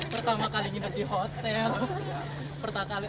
pertama kali nanti di hotel